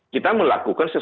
kita melakukan sesuatu